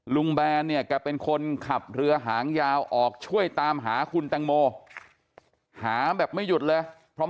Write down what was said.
แบนเนี่ยแกเป็นคนขับเรือหางยาวออกช่วยตามหาคุณแตงโมหาแบบไม่หยุดเลยพร้อม